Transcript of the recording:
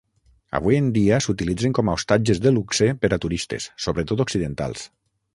Avui en dia s'utilitzen com a hostatges de luxe per a turistes, sobretot occidentals.